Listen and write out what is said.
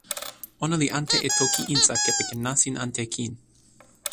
ona li ante e toki insa kepeken nasin ante kin.